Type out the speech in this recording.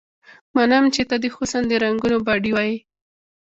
منم چې ته د حسن د رنګونو باډيوه يې